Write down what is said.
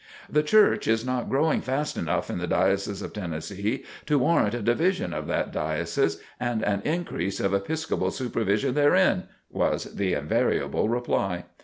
"The Church is not growing fast enough in the Diocese of Tennessee to warrant a division of that Diocese and an increase of Episcopal supervision therein," was the invariable reply.